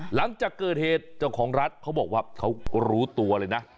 หลังจากเกิดเหตุเจ้าของร้านเขาบอกว่าเขารู้ตัวเลยนะ